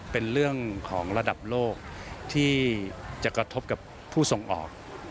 เป็นเรื่องของระดับโลกที่จะกระทบกับผู้ส่งออก